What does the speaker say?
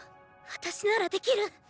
私ならできる。